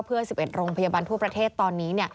เพื่อ๑๑โรงพยาบาลทั่วประเทศตอนนี้